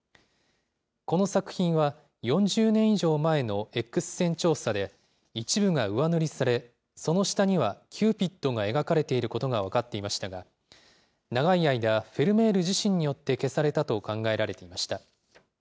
この作品は、４０年以上前のエックス線調査で、一部が上塗りされ、その下には、キューピッドが描かれていることが分かっていましたが、長い間、フェルメール自身によって消されたと考えられていました。